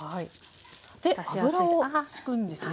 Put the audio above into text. で油をしくんですね。